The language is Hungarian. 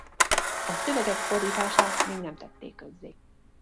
A szövegek fordítását még nem tették közzé.